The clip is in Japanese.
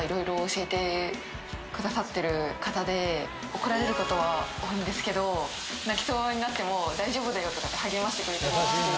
怒られることは多いんですけど泣きそうになっても大丈夫だよって励ましてくれて。